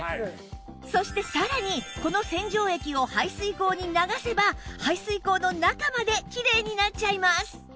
そしてさらにこの洗浄液を排水口に流せば排水口の中まできれいになっちゃいます